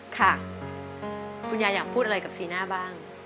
ค่ะคุณยายอยากพูดอะไรกับสีหน้าบ้าง